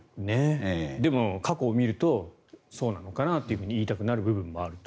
でも、過去を見るとそうなのかなと言いたくなる部分もあると。